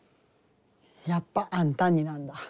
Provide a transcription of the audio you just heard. やっぱ「あんたに」なんだ。